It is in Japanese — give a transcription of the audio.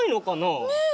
ねえ。